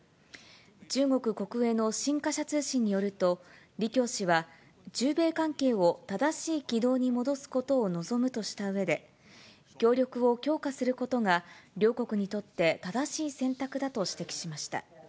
中国国営の新華社通信によると、李強氏は、中米関係を正しい軌道に戻すことを望むとしたうえで、協力を強化することが、両国にとって正しい選択だと指摘しました。